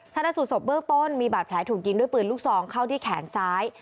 ชนะสูตรศพเบื้องต้นมีบาดแผลถูกยิงด้วยปืนลูกซองเข้าที่แขนซ้าย